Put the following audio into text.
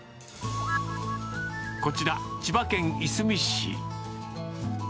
こちら、千葉県いすみ市。